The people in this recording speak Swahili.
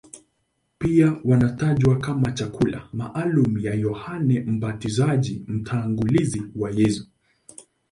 Pia wanatajwa kama chakula maalumu cha Yohane Mbatizaji, mtangulizi wa Yesu.